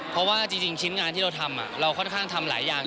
เพราะว่าจริงชิ้นงานที่เราทำเราค่อนข้างทำหลายอย่าง